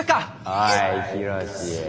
「おいヒロシ。